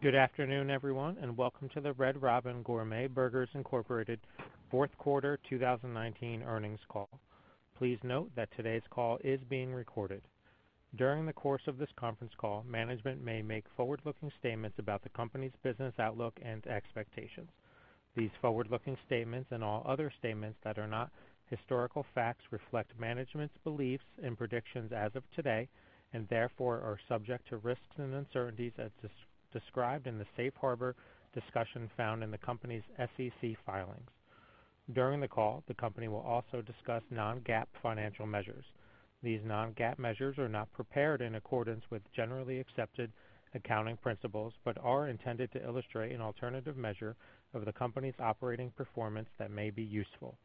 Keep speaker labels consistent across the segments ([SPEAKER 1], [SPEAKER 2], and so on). [SPEAKER 1] Good afternoon, everyone, and welcome to the Red Robin Gourmet Burgers, Inc. fourth quarter 2019 earnings call. Please note that today's call is being recorded. During the course of this conference call, management may make forward-looking statements about the company's business outlook and expectations. These forward-looking statements, and all other statements that are not historical facts reflect management's beliefs and predictions as of today, and therefore are subject to risks and uncertainties as described in the safe harbor discussion found in the company's SEC filings. During the call, the company will also discuss non-GAAP financial measures. These non-GAAP measures are not prepared in accordance with generally accepted accounting principles but are intended to illustrate an alternative measure of the company's operating performance that may be useful.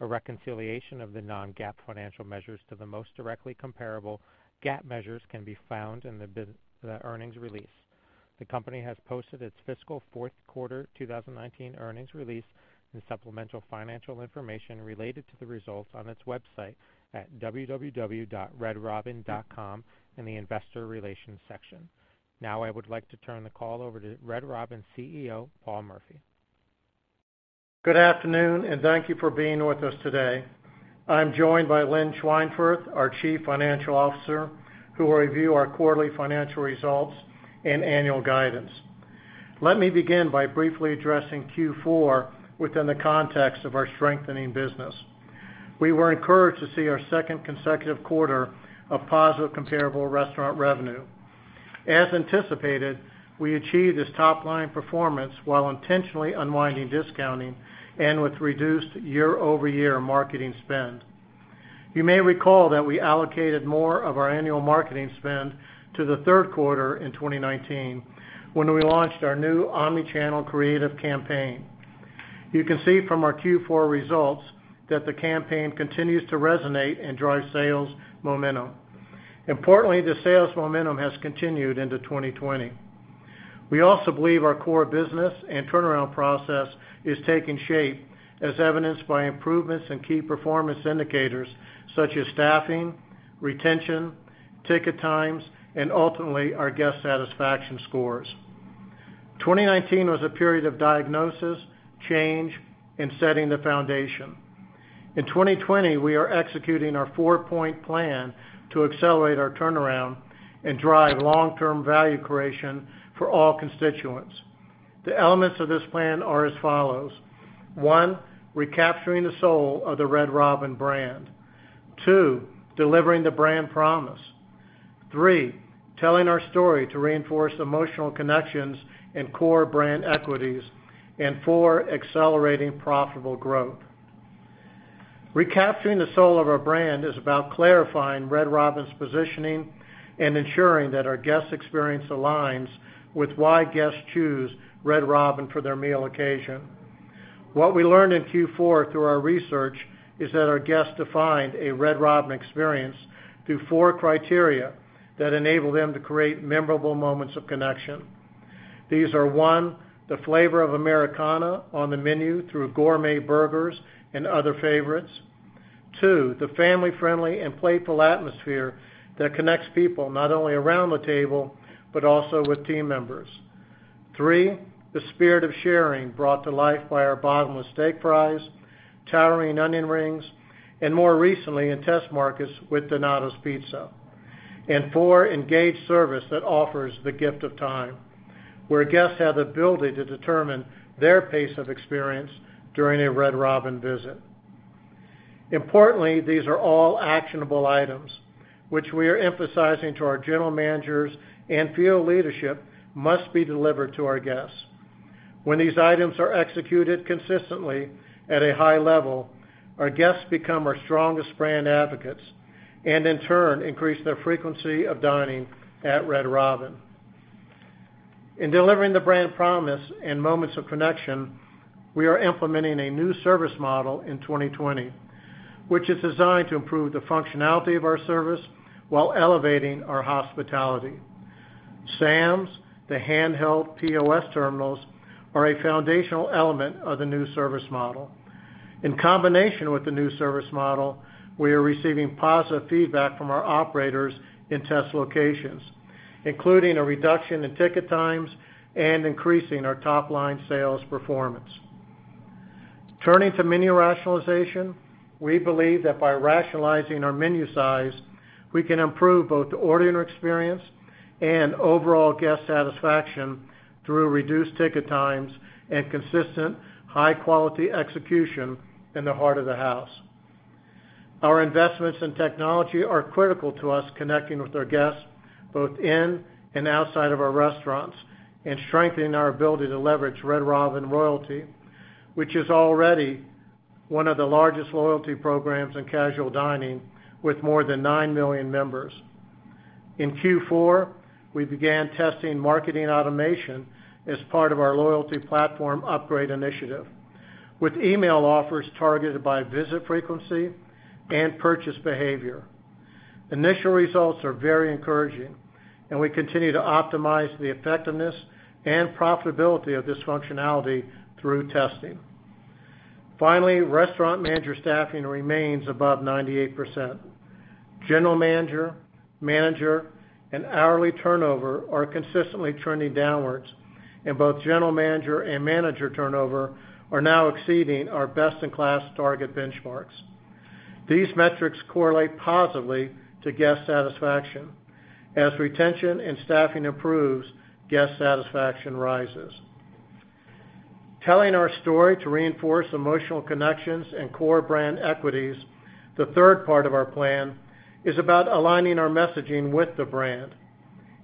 [SPEAKER 1] A reconciliation of the non-GAAP financial measures to the most directly comparable GAAP measures can be found in the earnings release. The company has posted its fiscal fourth quarter 2019 earnings release and supplemental financial information related to the results on its website at www.redrobin.com in the investor relations section. I would like to turn the call over to Red Robin CEO, Paul Murphy.
[SPEAKER 2] Good afternoon, and thank you for being with us today. I'm joined by Lynn Schweinfurth, our Chief Financial Officer, who will review our quarterly financial results and annual guidance. Let me begin by briefly addressing Q4 within the context of our strengthening business. We were encouraged to see our second consecutive quarter of positive comparable restaurant revenue. As anticipated, we achieved this top-line performance while intentionally unwinding discounting and with reduced year-over-year marketing spend. You may recall that we allocated more of our annual marketing spend to the third quarter in 2019 when we launched our new Omni-channel creative campaign. You can see from our Q4 results that the campaign continues to resonate and drive sales momentum. Importantly, the sales momentum has continued into 2020. We also believe our core business and turnaround process is taking shape as evidenced by improvements in key performance indicators such as staffing, retention, ticket times, and ultimately, our guest satisfaction scores. 2019 was a period of diagnosis, change, and setting the foundation. In 2020, we are executing our four-point plan to accelerate our turnaround and drive long-term value creation for all constituents. The elements of this plan are as follows. One, recapturing the soul of the Red Robin brand. Two, delivering the brand promise. Three, telling our story to reinforce emotional connections and core brand equities. Four, accelerating profitable growth. Recapturing the soul of our brand is about clarifying Red Robin's positioning and ensuring that our guest experience aligns with why guests choose Red Robin for their meal occasion. What we learned in Q4 through our research is that our guests defined a Red Robin experience through four criteria that enable them to create memorable moments of connection. These are one, the flavor of Americana on the menu through gourmet burgers and other favorites. Two, the family-friendly and playful atmosphere that connects people not only around the table but also with team members. Three, the spirit of sharing brought to life by our Bottomless Steak Fries, Towering Onion Rings, and more recently in test markets with Donatos Pizza. Four, engaged service that offers the gift of time, where guests have the ability to determine their pace of experience during a Red Robin visit. Importantly, these are all actionable items, which we are emphasizing to our general managers and field leadership must be delivered to our guests. When these items are executed consistently at a high level, our guests become our strongest brand advocates and in turn, increase their frequency of dining at Red Robin. In delivering the brand promise and moments of connection, we are implementing a new service model in 2020, which is designed to improve the functionality of our service while elevating our hospitality. SAMs, the handheld POS terminals, are a foundational element of the new service model. In combination with the new service model, we are receiving positive feedback from our operators in test locations, including a reduction in ticket times and increasing our top-line sales performance. Turning to menu rationalization, we believe that by rationalizing our menu size, we can improve both the ordering experience and overall guest satisfaction through reduced ticket times and consistent high-quality execution in the heart of the house. Our investments in technology are critical to us connecting with our guests both in and outside of our restaurants and strengthening our ability to leverage Red Robin Royalty, which is already one of the largest loyalty programs in casual dining with more than nine million members. In Q4, we began testing marketing automation as part of our Loyalty Platform Upgrade Initiative, with email offers targeted by visit frequency and purchase behavior. Initial results are very encouraging, and we continue to optimize the effectiveness and profitability of this functionality through testing. Finally, restaurant manager staffing remains above 98%. General manager, and hourly turnover are consistently trending downwards, and both general manager and manager turnover are now exceeding our best-in-class target benchmarks. These metrics correlate positively to guest satisfaction. As retention and staffing improves, guest satisfaction rises. Telling our story to reinforce emotional connections and core brand equities, the third part of our plan, is about aligning our messaging with the brand.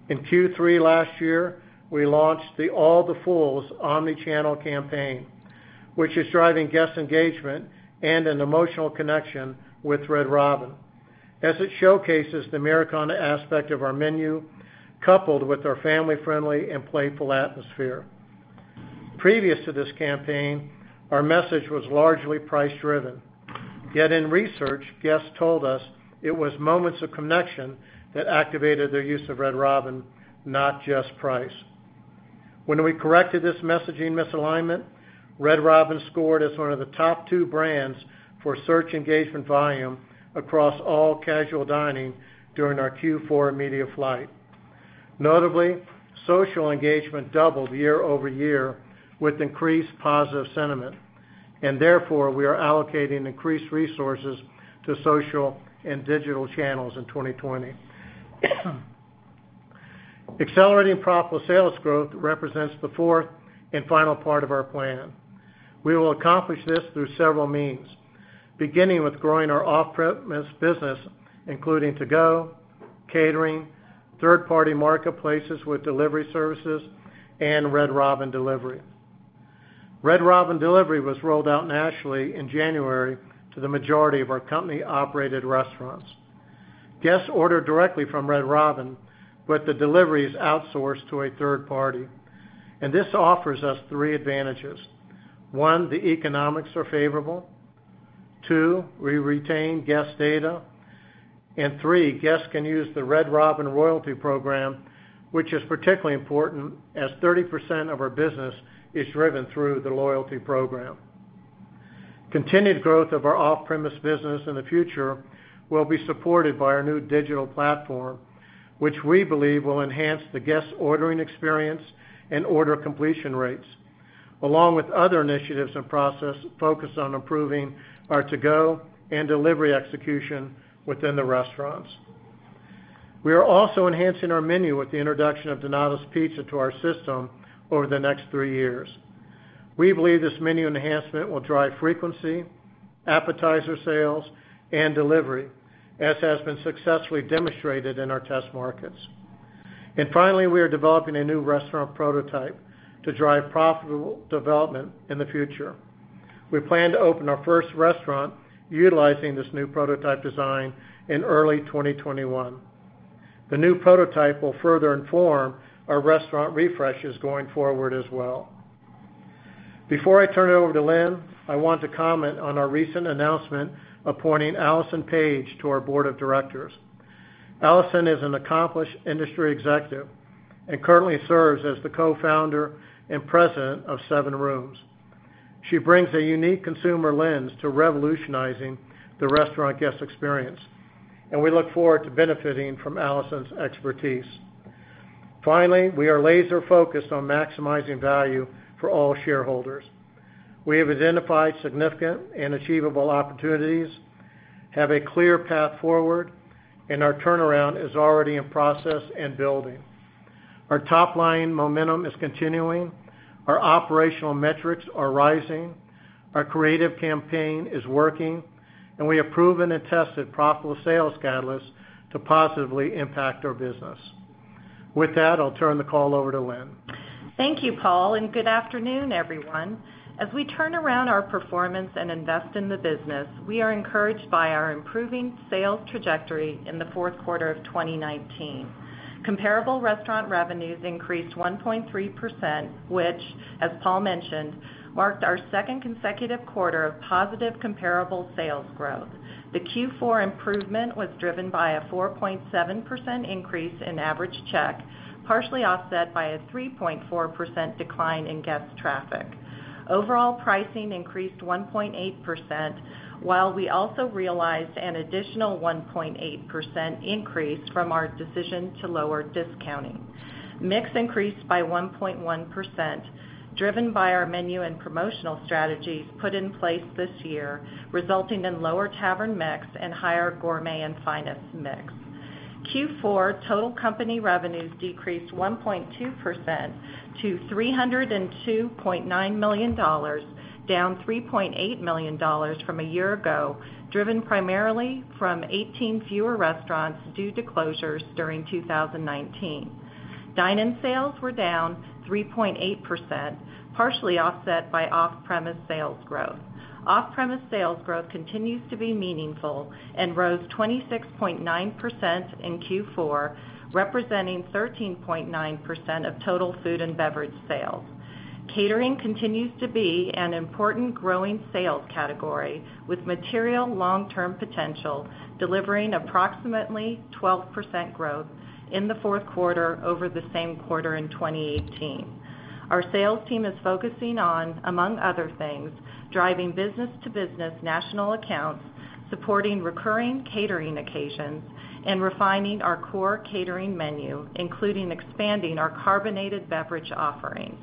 [SPEAKER 2] In Q3 last year, we launched the All the Fulls omni-channel campaign, which is driving guest engagement and an emotional connection with Red Robin, as it showcases the Americana aspect of our menu, coupled with our family-friendly and playful atmosphere. Previous to this campaign, our message was largely price-driven. Yet in research, guests told us it was moments of connection that activated their use of Red Robin, not just price. When we corrected this messaging misalignment, Red Robin scored as one of the top two brands for search engagement volume across all casual dining during our Q4 media flight. Notably, social engagement doubled year-over-year with increased positive sentiment. Therefore, we are allocating increased resources to social and digital channels in 2020. Accelerating profitable sales growth represents the fourth and final part of our plan. We will accomplish this through several means, beginning with growing our off-premise business, including to-go, catering, third-party marketplaces with delivery services, and Red Robin Delivery. Red Robin Delivery was rolled out nationally in January to the majority of our company-operated restaurants. Guests order directly from Red Robin, but the delivery is outsourced to a third party, and this offers us three advantages. One, the economics are favorable, two, we retain guest data, and three, guests can use the Red Robin Royalty program, which is particularly important, as 30% of our business is driven through the loyalty program. Continued growth of our off-premise business in the future will be supported by our new digital platform, which we believe will enhance the guest ordering experience and order completion rates, along with other initiatives and process focused on improving our to-go and delivery execution within the restaurants. We are also enhancing our menu with the introduction of Donatos Pizza to our system over the next three years. We believe this menu enhancement will drive frequency, appetizer sales, and delivery, as has been successfully demonstrated in our test markets. Finally, we are developing a new restaurant prototype to drive profitable development in the future. We plan to open our first restaurant utilizing this new prototype design in early 2021. The new prototype will further inform our restaurant refreshes going forward as well. Before I turn it over to Lynn, I want to comment on our recent announcement appointing Allison Page to our board of directors. Allison is an accomplished industry executive and currently serves as the Co-founder and President of SevenRooms. We look forward to benefiting from Allison's expertise. Finally, we are laser-focused on maximizing value for all shareholders. We have identified significant and achievable opportunities, have a clear path forward, Our turnaround is already in process and building. Our top-line momentum is continuing. Our operational metrics are rising. Our creative campaign is working, We have proven and tested profitable sales catalysts to positively impact our business. With that, I'll turn the call over to Lynn.
[SPEAKER 3] Thank you, Paul, good afternoon, everyone. As we turn around our performance and invest in the business, we are encouraged by our improving sales trajectory in the fourth quarter of 2019. Comparable restaurant revenues increased 1.3%, which, as Paul mentioned, marked our second consecutive quarter of positive comparable sales growth. The Q4 improvement was driven by a 4.7% increase in average check, partially offset by a 3.4% decline in guest traffic. Overall pricing increased 1.8%, while we also realized an additional 1.8% increase from our decision to lower discounting. Mix increased by 1.1%, driven by our menu and promotional strategies put in place this year, resulting in lower tavern mix and higher gourmet and finest mix. Q4 total company revenues decreased 1.2% to $302.9 million, down $3.8 million from a year ago, driven primarily from 18 fewer restaurants due to closures during 2019. Dine-in sales were down 3.8%, partially offset by off-premise sales growth. Off-premise sales growth continues to be meaningful and rose 26.9% in Q4, representing 13.9% of total food and beverage sales. Catering continues to be an important growing sales category with material long-term potential, delivering approximately 12% growth in the fourth quarter over the same quarter in 2018. Our sales team is focusing on, among other things, driving business-to-business national accounts, supporting recurring catering occasions, and refining our core catering menu, including expanding our carbonated beverage offerings.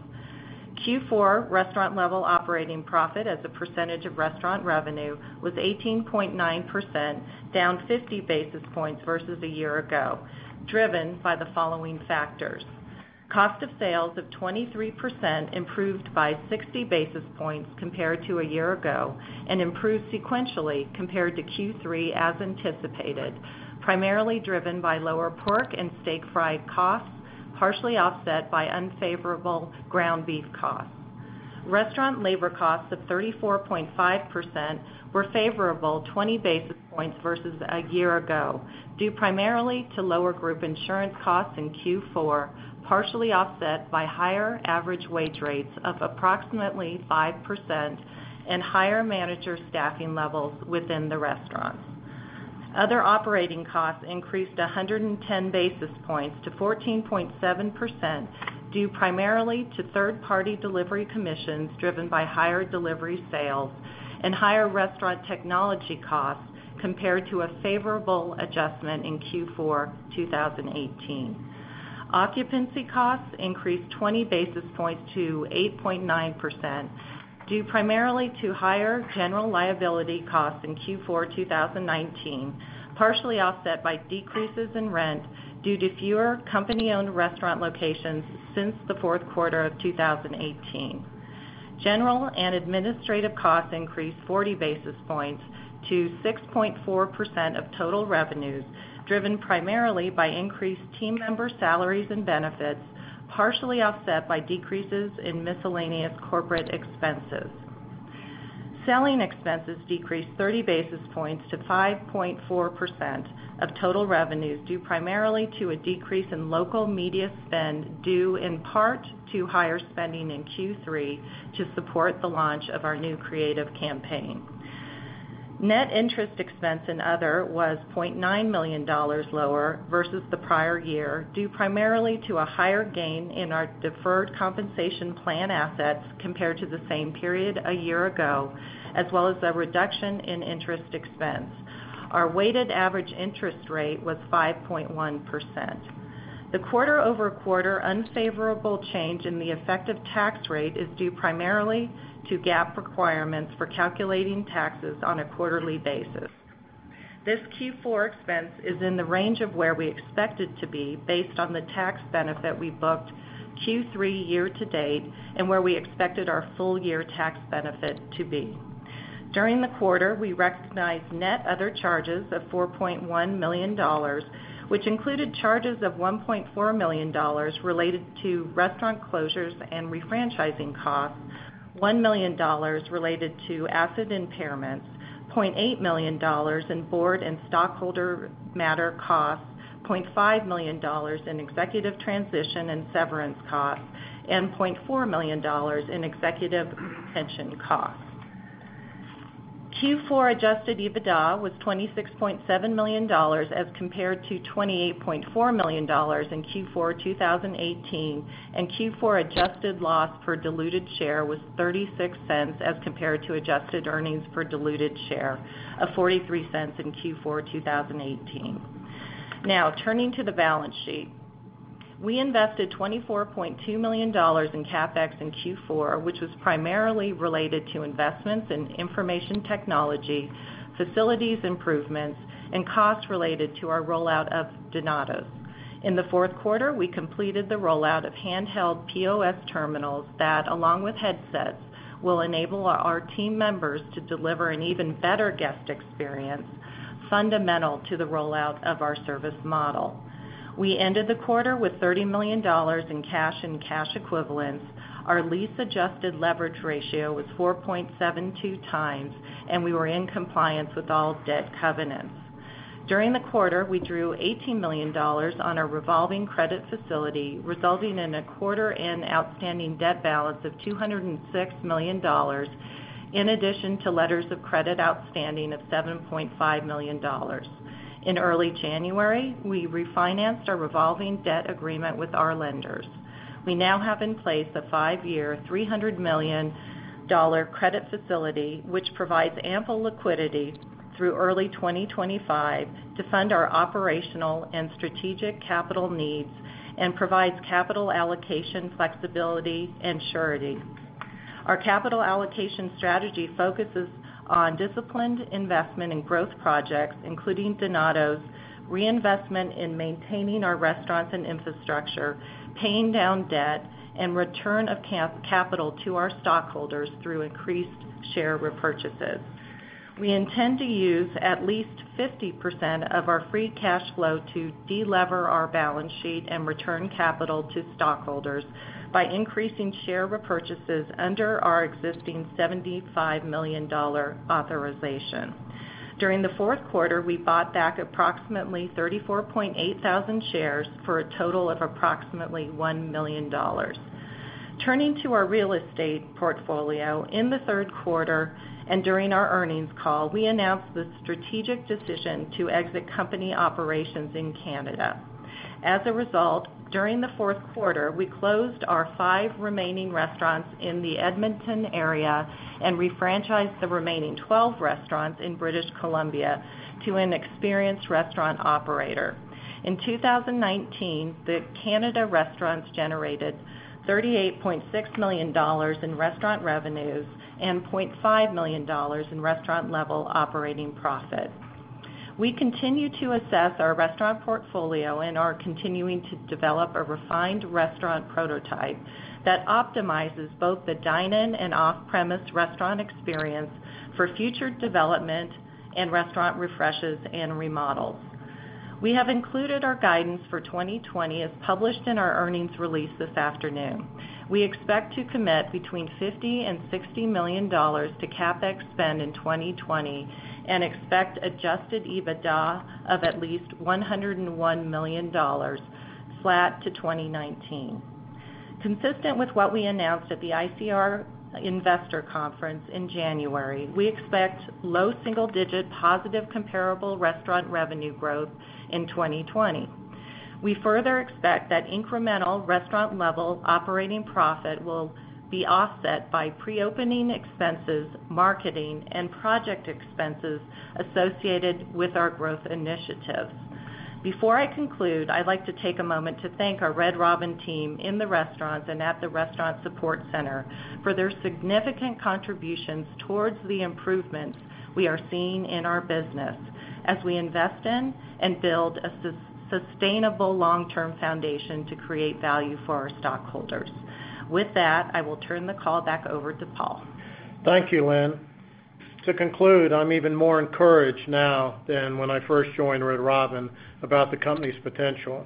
[SPEAKER 3] Q4 restaurant level operating profit as a percentage of restaurant revenue was 18.9%, down 50 basis points versus a year ago, driven by the following factors. Cost of sales of 23% improved by 60 basis points compared to a year ago, and improved sequentially compared to Q3 as anticipated, primarily driven by lower pork and steak fry costs, partially offset by unfavorable ground beef costs. Restaurant labor costs of 34.5% were favorable 20 basis points versus a year ago, due primarily to lower group insurance costs in Q4, partially offset by higher average wage rates of approximately 5% and higher manager staffing levels within the restaurants. Other operating costs increased 110 basis points to 14.7%, due primarily to third-party delivery commissions driven by higher delivery sales and higher restaurant technology costs, compared to a favorable adjustment in Q4 2018. Occupancy costs increased 20 basis points to 8.9%, due primarily to higher general liability costs in Q4 2019, partially offset by decreases in rent due to fewer company-owned restaurant locations since the fourth quarter of 2018. General and administrative costs increased 40 basis points to 6.4% of total revenues, driven primarily by increased team member salaries and benefits, partially offset by decreases in miscellaneous corporate expenses. Selling expenses decreased 30 basis points to 5.4% of total revenues, due primarily to a decrease in local media spend, due in part to higher spending in Q3 to support the launch of our new creative campaign. Net interest expense and other was $0.9 million lower versus the prior year, due primarily to a higher gain in our deferred compensation plan assets compared to the same period a year ago, as well as a reduction in interest expense. Our weighted average interest rate was 5.1%. The quarter-over-quarter unfavorable change in the effective tax rate is due primarily to GAAP requirements for calculating taxes on a quarterly basis. This Q4 expense is in the range of where we expect it to be based on the tax benefit we booked Q3 year to date and where we expected our full year tax benefit to be. During the quarter, we recognized net other charges of $4.1 million, which included charges of $1.4 million related to restaurant closures and refranchising costs, $1 million related to asset impairments, $0.8 million in board and stockholder matter costs, $0.5 million in executive transition and severance costs, and $0.4 million in executive pension costs. Q4 adjusted EBITDA was $26.7 million as compared to $28.4 million in Q4 2018, and Q4 adjusted loss per diluted share was $0.36 as compared to adjusted earnings per diluted share of $0.43 in Q4 2018. Now, turning to the balance sheet. We invested $24.2 million in CapEx in Q4, which was primarily related to investments in information technology, facilities improvements, and costs related to our rollout of Donatos. In the fourth quarter, we completed the rollout of handheld POS terminals that, along with headsets, will enable our team members to deliver an even better guest experience, fundamental to the rollout of our service model. We ended the quarter with $30 million in cash and cash equivalents. Our lease-adjusted leverage ratio was 4.72x, and we were in compliance with all debt covenants. During the quarter, we drew $18 million on a revolving credit facility, resulting in a quarter-end outstanding debt balance of $206 million, in addition to letters of credit outstanding of $7.5 million. In early January, we refinanced our revolving debt agreement with our lenders. We now have in place a five-year, $300 million credit facility, which provides ample liquidity through early 2025 to fund our operational and strategic capital needs and provides capital allocation flexibility and surety. Our capital allocation strategy focuses on disciplined investment in growth projects, including Donatos, reinvestment in maintaining our restaurants and infrastructure, paying down debt, and return of capital to our stockholders through increased share repurchases. We intend to use at least 50% of our free cash flow to de-lever our balance sheet and return capital to stockholders by increasing share repurchases under our existing $75 million authorization. During the fourth quarter, we bought back approximately 34,800 shares for a total of approximately $1 million. Turning to our real estate portfolio, in the third quarter and during our earnings call, we announced the strategic decision to exit company operations in Canada. During the fourth quarter, we closed our five remaining restaurants in the Edmonton area and re-franchised the remaining 12 restaurants in British Columbia to an experienced restaurant operator. In 2019, the Canada restaurants generated $38.6 million in restaurant revenues and $0.5 million in restaurant-level operating profit. We continue to assess our restaurant portfolio and are continuing to develop a refined restaurant prototype that optimizes both the dine-in and off-premise restaurant experience for future development and restaurant refreshes and remodels. We have included our guidance for 2020 as published in our earnings release this afternoon. We expect to commit between $50 million and $60 million to CapEx spend in 2020 and expect adjusted EBITDA of at least $101 million, flat to 2019. Consistent with what we announced at the ICR Conference in January, we expect low single-digit positive comparable restaurant revenue growth in 2020. We further expect that incremental restaurant level operating profit will be offset by pre-opening expenses, marketing, and project expenses associated with our growth initiatives. Before I conclude, I'd like to take a moment to thank our Red Robin team in the restaurants and at the restaurant support center for their significant contributions towards the improvements we are seeing in our business as we invest in and build a sustainable long-term foundation to create value for our stockholders. With that, I will turn the call back over to Paul.
[SPEAKER 2] Thank you, Lynn. To conclude, I'm even more encouraged now than when I first joined Red Robin about the company's potential.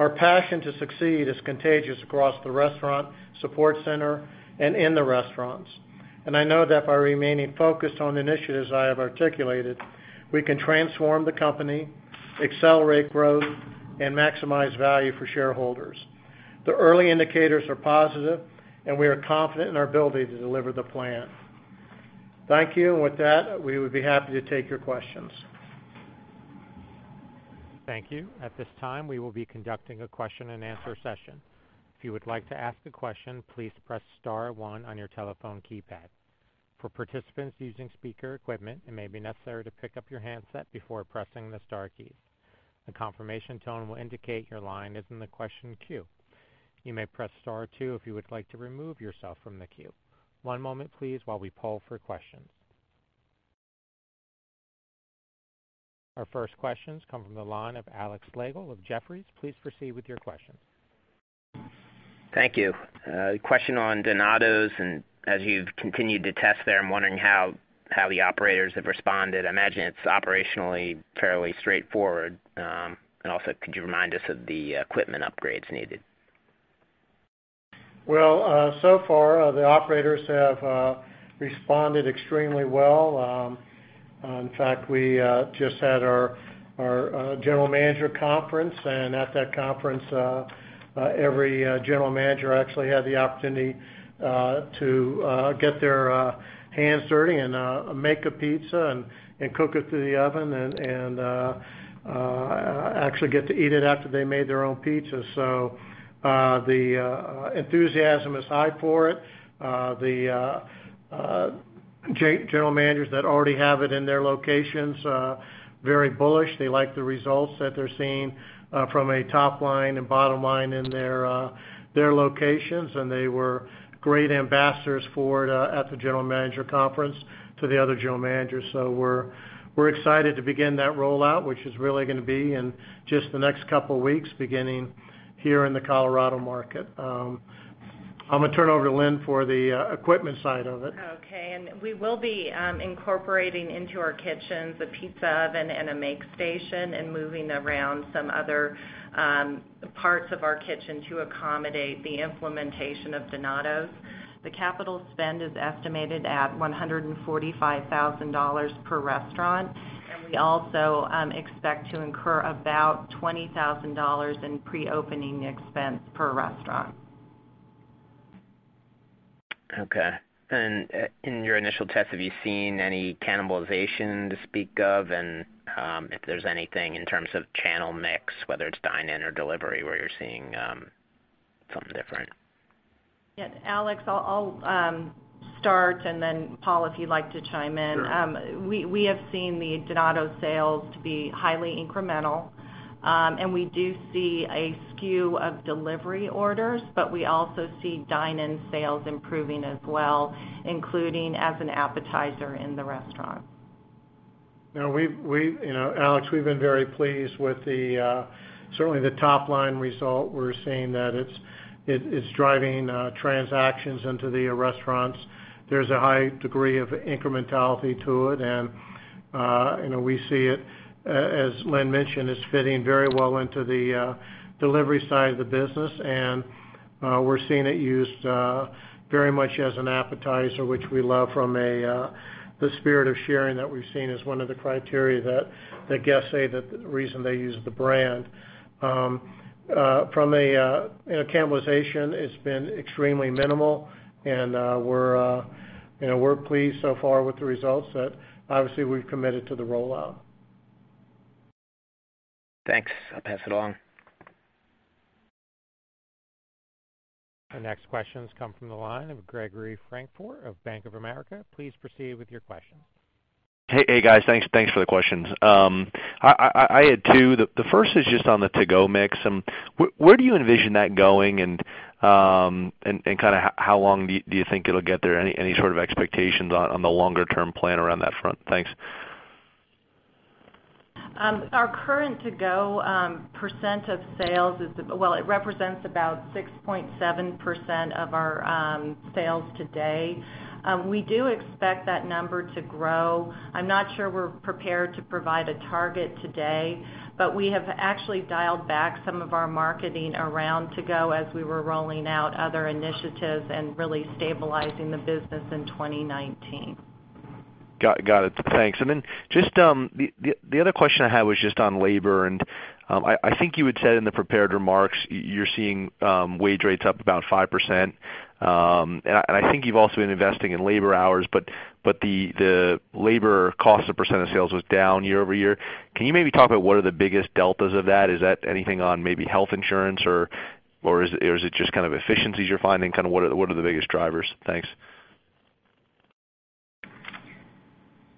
[SPEAKER 2] Our passion to succeed is contagious across the restaurant support center and in the restaurants. I know that by remaining focused on the initiatives I have articulated, we can transform the company, accelerate growth, and maximize value for shareholders. The early indicators are positive, and we are confident in our ability to deliver the plan. Thank you. With that, we would be happy to take your questions.
[SPEAKER 1] Thank you. At this time, we will be conducting a question and answer session. If you would like to ask a question, please press star one on your telephone keypad. For participants using speaker equipment, it may be necessary to pick up your handset before pressing the star key. A confirmation tone will indicate your line is in the question queue. You may press star two if you would like to remove yourself from the queue. One moment, please, while we poll for questions. Our first questions come from the line of Alex Slagle of Jefferies. Please proceed with your question.
[SPEAKER 4] Thank you. Question on Donatos, and as you've continued to test there, I'm wondering how the operators have responded. I imagine it's operationally fairly straightforward. Also, could you remind us of the equipment upgrades needed?
[SPEAKER 2] So far, the operators have responded extremely well. In fact, we just had our General Manager Conference, and at that conference, every General Manager actually had the opportunity to get their hands dirty and make a pizza and cook it through the oven and actually get to eat it after they made their own pizza. The enthusiasm is high for it. The general managers that already have it in their locations, very bullish. They like the results that they're seeing from a top line and bottom line in their locations, and they were great ambassadors for it at the General Manager Conference to the other General Managers. We're excited to begin that rollout, which is really going to be in just the next couple of weeks, beginning here in the Colorado market. I'm going to turn it over to Lynn for the equipment side of it.
[SPEAKER 3] Okay. We will be incorporating into our kitchens a pizza oven and a make station and moving around some other parts of our kitchen to accommodate the implementation of Donatos. The capital spend is estimated at $145,000 per restaurant. We also expect to incur about $20,000 in pre-opening expense per restaurant.
[SPEAKER 4] Okay. In your initial test, have you seen any cannibalization to speak of? If there's anything in terms of channel mix, whether it's dine-in or delivery, where you're seeing something different.
[SPEAKER 3] Yeah, Alex, I'll start, and then Paul, if you'd like to chime in.
[SPEAKER 2] Sure.
[SPEAKER 3] We have seen the Donatos sales to be highly incremental, and we do see a skew of delivery orders, but we also see dine-in sales improving as well, including as an appetizer in the restaurant.
[SPEAKER 2] Alex, we've been very pleased with certainly the top-line result. We're seeing that it's driving transactions into the restaurants. There's a high degree of incrementality to it, and we see it, as Lynn mentioned, as fitting very well into the delivery side of the business. We're seeing it used very much as an appetizer, which we love from the spirit of sharing that we've seen as one of the criteria that guests say that the reason they use the brand. From a cannibalization, it's been extremely minimal, and we're pleased so far with the results that obviously we've committed to the rollout.
[SPEAKER 4] Thanks. I'll pass it along
[SPEAKER 1] The next questions come from the line of Gregory Francfort of Bank of America. Please proceed with your questions.
[SPEAKER 5] Hey, guys. Thanks for the questions. I had two. The first is just on the to-go mix. Where do you envision that going, and how long do you think it'll get there? Any sort of expectations on the longer-term plan around that front? Thanks.
[SPEAKER 3] Our current to-go percent of sales, well, it represents about 6.7% of our sales today. We do expect that number to grow. I'm not sure we're prepared to provide a target today, but we have actually dialed back some of our marketing around to-go as we were rolling out other initiatives and really stabilizing the business in 2019.
[SPEAKER 5] Got it. Thanks. The other question I had was just on labor, and I think you had said in the prepared remarks, you're seeing wage rates up about 5%. I think you've also been investing in labor hours, but the labor cost as a percent of sales was down year-over-year. Can you maybe talk about what are the biggest deltas of that? Is that anything on maybe health insurance or is it just efficiencies you're finding? What are the biggest drivers? Thanks.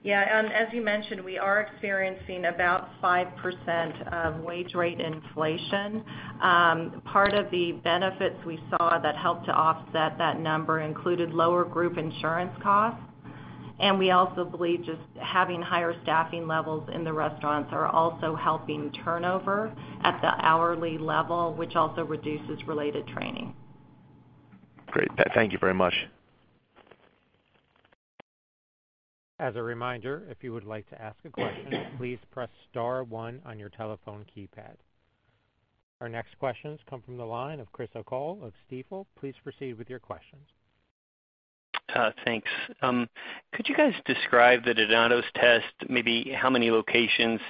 [SPEAKER 3] Yeah. As you mentioned, we are experiencing about 5% wage rate inflation. Part of the benefits we saw that helped to offset that number included lower group insurance costs. We also believe just having higher staffing levels in the restaurants are also helping turnover at the hourly level, which also reduces related training.
[SPEAKER 5] Great. Thank you very much.
[SPEAKER 1] As a reminder, if you would like to ask a question, please press star one on your telephone keypad. Our next questions come from the line of Chris O'Cull of Stifel. Please proceed with your questions.
[SPEAKER 6] Thanks. Could you guys describe the Donatos test, maybe how many locations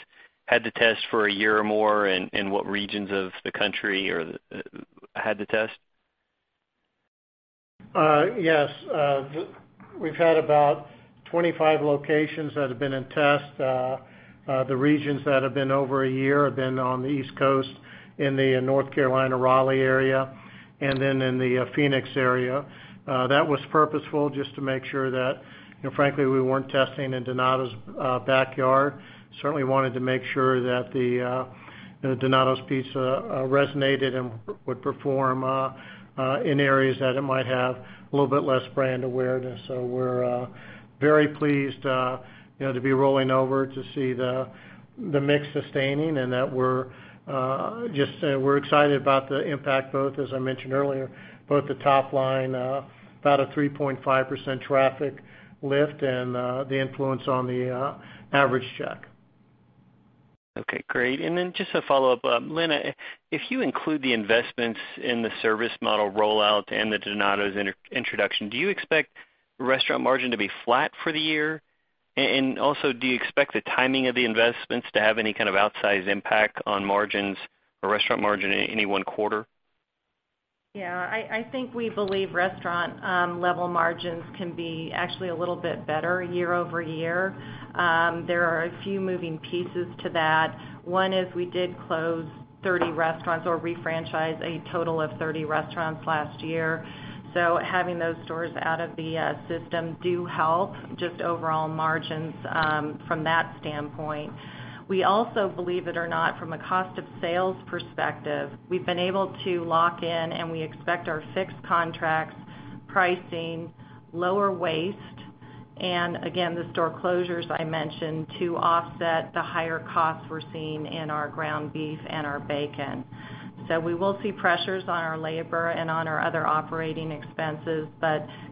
[SPEAKER 6] had the test for a year or more, and what regions of the country had the test?
[SPEAKER 2] Yes. We've had about 25 locations that have been in test. The regions that have been over a year have been on the East Coast in the North Carolina Raleigh area, then in the Phoenix area. That was purposeful, just to make sure that, frankly, we weren't testing in Donatos' backyard. Certainly wanted to make sure that the Donatos Pizza resonated and would perform in areas that it might have a little bit less brand awareness. We're very pleased to be rolling over to see the mix sustaining and that we're excited about the impact, both, as I mentioned earlier, both the top line, about a 3.5% traffic lift, and the influence on the average check.
[SPEAKER 6] Okay, great. Just a follow-up. Lynn, if you include the investments in the service model rollout and the Donatos introduction, do you expect restaurant margin to be flat for the year? Also, do you expect the timing of the investments to have any kind of outsized impact on margins or restaurant margin in any one quarter?
[SPEAKER 3] Yeah, I think we believe restaurant level margins can be actually a little bit better year-over-year. There are a few moving pieces to that. One is we did close 30 restaurants or refranchise a total of 30 restaurants last year. Having those stores out of the system do help just overall margins from that standpoint. We also, believe it or not, from a cost of sales perspective, we've been able to lock in and we expect our fixed contracts pricing, lower waste, and again, the store closures I mentioned to offset the higher costs we're seeing in our ground beef and our bacon. We will see pressures on our labor and on our other operating expenses.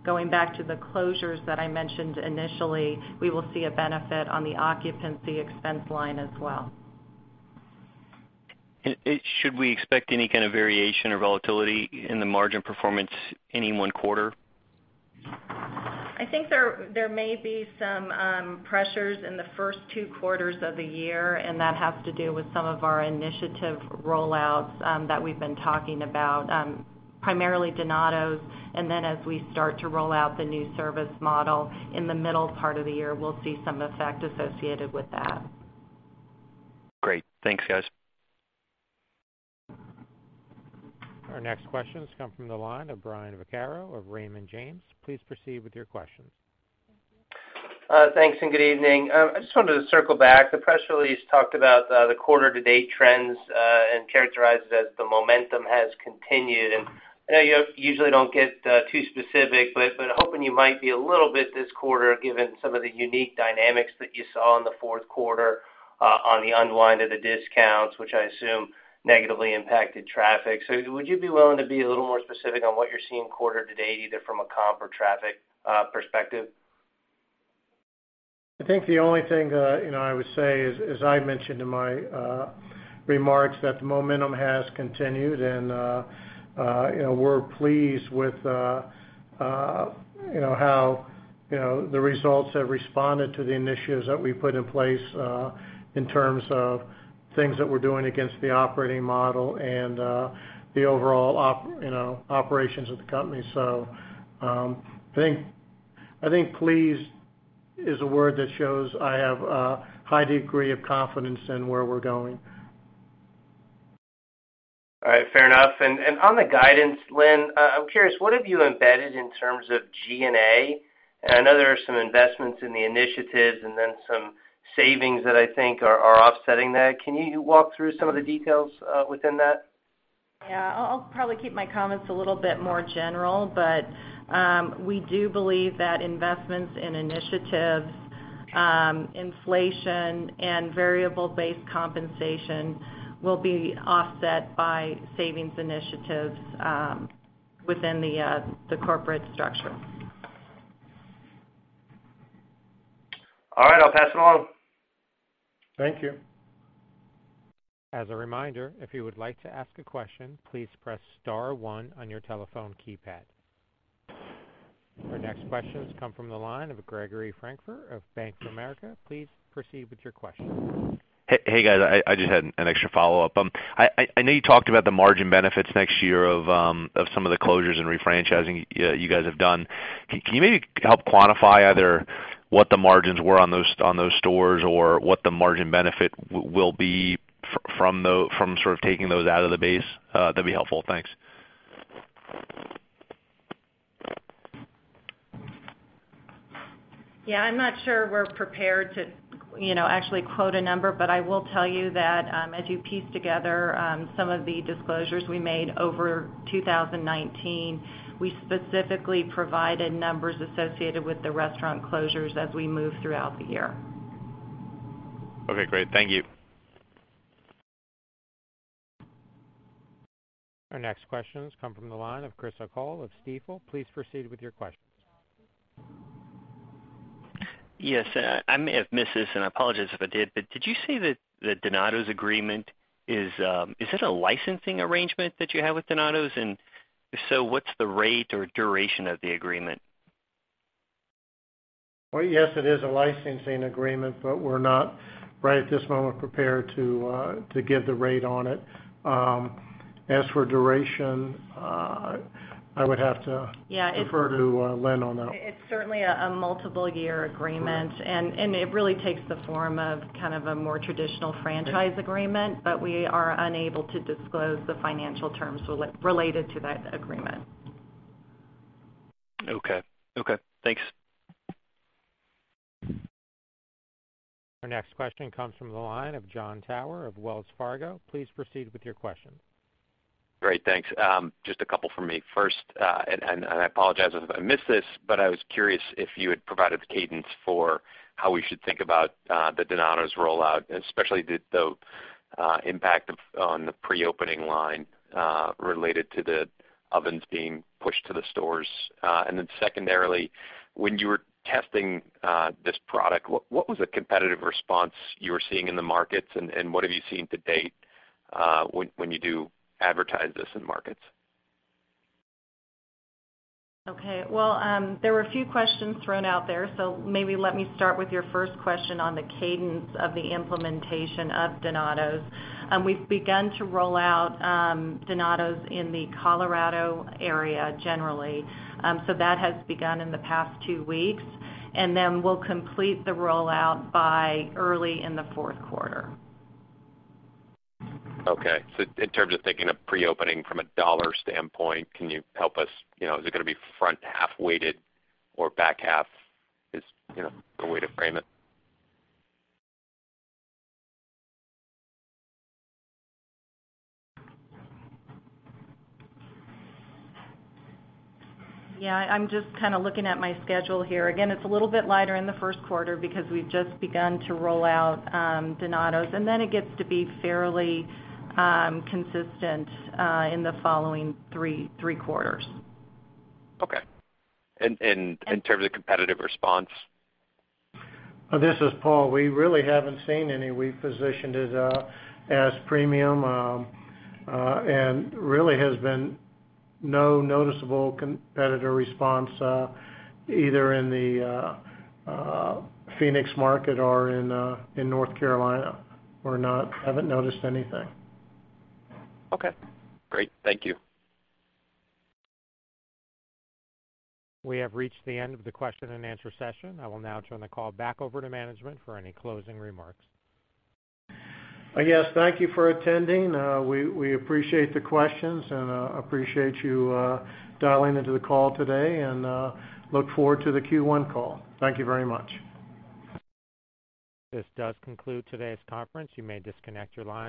[SPEAKER 3] Going back to the closures that I mentioned initially, we will see a benefit on the occupancy expense line as well.
[SPEAKER 6] Should we expect any kind of variation or volatility in the margin performance any one quarter?
[SPEAKER 3] I think there may be some pressures in the first two quarters of the year, and that has to do with some of our initiative rollouts that we've been talking about, primarily Donatos. As we start to roll out the new service model in the middle part of the year, we'll see some effect associated with that.
[SPEAKER 6] Great. Thanks, guys.
[SPEAKER 1] Our next questions come from the line of Brian Vaccaro of Raymond James. Please proceed with your questions.
[SPEAKER 7] Thanks and good evening. I just wanted to circle back. The press release talked about the quarter to date trends and characterized it as the momentum has continued. I know you usually don't get too specific, but hoping you might be a little bit this quarter, given some of the unique dynamics that you saw in the fourth quarter on the unwind of the discounts, which I assume negatively impacted traffic. Would you be willing to be a little more specific on what you're seeing quarter to date, either from a comp or traffic perspective?
[SPEAKER 2] I think the only thing I would say is, as I mentioned in my remarks, that the momentum has continued and we're pleased with how the results have responded to the initiatives that we put in place in terms of things that we're doing against the operating model and the overall operations of the company. I think pleased is a word that shows I have a high degree of confidence in where we're going.
[SPEAKER 7] All right. Fair enough. On the guidance, Lynn, I'm curious, what have you embedded in terms of G&A? I know there are some investments in the initiatives and then some savings that I think are offsetting that. Can you walk through some of the details within that?
[SPEAKER 3] I'll probably keep my comments a little bit more general, but we do believe that investments in initiatives, inflation, and variable-based compensation will be offset by savings initiatives within the corporate structure.
[SPEAKER 7] All right. I'll pass it on.
[SPEAKER 2] Thank you.
[SPEAKER 1] As a reminder, if you would like to ask a question, please press star one on your telephone keypad. Our next question has come from the line of Gregory Francfort of Bank of America. Please proceed with your question.
[SPEAKER 5] Hey, guys. I just had an extra follow-up. I know you talked about the margin benefits next year of some of the closures and refranchising you guys have done. Can you maybe help quantify either what the margins were on those stores or what the margin benefit will be from sort of taking those out of the base? That'd be helpful. Thanks.
[SPEAKER 3] Yeah. I'm not sure we're prepared to actually quote a number, but I will tell you that, as you piece together some of the disclosures we made over 2019, we specifically provided numbers associated with the restaurant closures as we moved throughout the year.
[SPEAKER 5] Okay, great. Thank you.
[SPEAKER 1] Our next question comes from the line of Chris O'Cull of Stifel. Please proceed with your question.
[SPEAKER 6] Yes. I may have missed this, and I apologize if I did, but did you say that the Donatos agreement is it a licensing arrangement that you have with Donatos? If so, what's the rate or duration of the agreement?
[SPEAKER 2] Well, yes, it is a licensing agreement, but we're not, right at this moment, prepared to give the rate on it. As for duration, I would have to.
[SPEAKER 3] Yeah.
[SPEAKER 2] Defer to Lynn on that one.
[SPEAKER 3] It's certainly a multiple year agreement.
[SPEAKER 2] Correct.
[SPEAKER 3] It really takes the form of kind of a more traditional franchise agreement, but we are unable to disclose the financial terms related to that agreement.
[SPEAKER 6] Okay. Thanks.
[SPEAKER 1] Our next question comes from the line of Jon Tower of Wells Fargo. Please proceed with your question.
[SPEAKER 8] Great. Thanks. Just a couple from me. First, I apologize if I missed this, but I was curious if you had provided the cadence for how we should think about the Donatos rollout, especially the impact on the pre-opening line, related to the ovens being pushed to the stores. Secondarily, when you were testing this product, what was the competitive response you were seeing in the markets, and what have you seen to date when you do advertise this in markets?
[SPEAKER 3] Well, there were a few questions thrown out there, maybe let me start with your first question on the cadence of the implementation of Donatos. We've begun to roll out Donatos in the Colorado area generally. That has begun in the past two weeks, we'll complete the rollout by early in the fourth quarter.
[SPEAKER 8] Okay. In terms of thinking of pre-opening from a dollar standpoint, can you help us? Is it going to be front-half weighted or back half? Is a way to frame it?
[SPEAKER 3] Yeah, I'm just kind of looking at my schedule here. Again, it's a little bit lighter in the first quarter because we've just begun to roll out Donatos, and then it gets to be fairly consistent in the following three quarters.
[SPEAKER 8] Okay. In terms of competitive response?
[SPEAKER 2] This is Paul. We really haven't seen any. We've positioned it as premium, and really has been no noticeable competitor response, either in the Phoenix market or in North Carolina. We haven't noticed anything.
[SPEAKER 8] Okay, great. Thank you.
[SPEAKER 1] We have reached the end of the question and answer session. I will now turn the call back over to management for any closing remarks.
[SPEAKER 2] Yes, thank you for attending. We appreciate the questions and appreciate you dialing into the call today and look forward to the Q1 call. Thank you very much.
[SPEAKER 1] This does conclude today's conference. You may disconnect your lines.